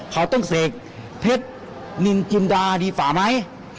เขาต้องเสกเพชรนินจินดาดีฝ่าไหม